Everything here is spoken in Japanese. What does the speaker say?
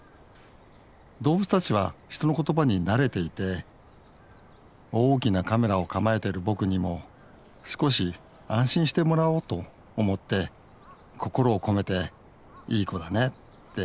動物たちは人の言葉に慣れていて大きなカメラを構えている僕にも少し安心してもらおうと思って心を込めて「いい子だね」って言っています